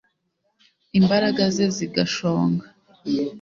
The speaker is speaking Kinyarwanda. imbaraga ze zigashonga